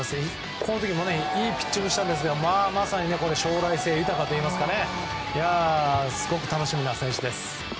この時もいいピッチングしましたがまさに将来性豊かといいますかすごく楽しみな選手です。